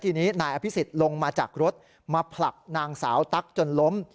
ทีนี้นายอภิษฎลงมาจากรถมาผลักนางสาวตั๊กจนล้ม